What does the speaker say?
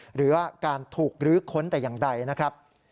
หรือการถูกลื้อค้นแต่อย่างใดนะครับ